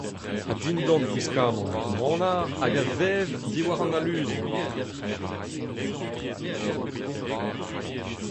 Ha dindan gwiskamant ur manac’h hag a vev diwar an aluzon !